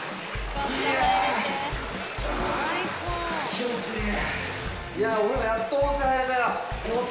気持ちいい！